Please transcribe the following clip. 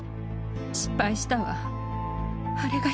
失敗したわ。